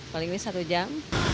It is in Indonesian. paling lebih satu jam